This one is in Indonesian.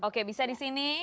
oke bisa di sini